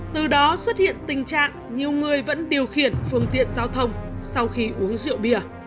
từ đó xuất hiện tình trạng nhiều người vẫn điều khiển phương tiện giao thông sau khi uống rượu bia